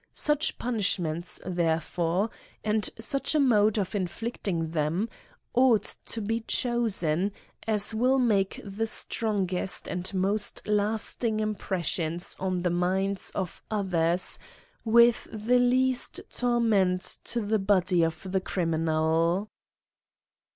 Such punishments, there fore, and such a mode of inflicting them, ought to be chosen, as will make the strongest and most lasting impressions on the minds of others, with the least torment to the body of the criminal.